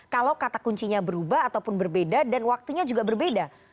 kalau kata kuncinya berubah ataupun berbeda dan waktunya juga berbeda